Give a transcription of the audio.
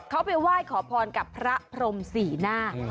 เขาไปไหว้ขอพรกับพระพรมสี่หน้า